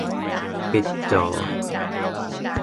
ปิดจอ